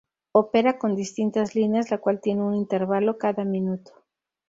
Opera con distintas líneas la cual tiene un intervalo cada minuto.